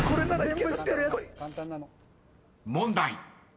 ［問題］